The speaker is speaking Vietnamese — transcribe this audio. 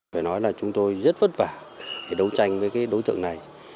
phải nói là chúng tôi rất vất vả để đấu tranh với cái đối tượng này